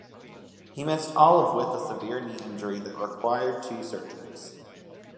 He missed all of with a severe knee injury that required two surgeries.